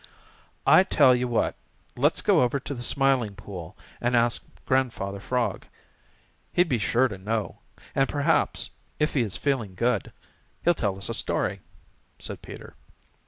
"I tell you what, let's go over to the Smiling Pool and ask Grandfather Frog. He'll be sure to know, and perhaps, if he is feeling good, he'll tell us a story," said Peter.